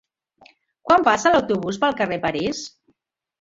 Quan passa l'autobús pel carrer París?